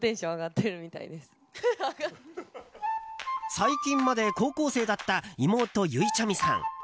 最近まで高校生だった妹ゆいちゃみさん。